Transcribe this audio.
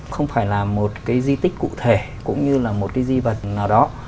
không phải là một cái di tích cụ thể cũng như là một cái di vật nào đó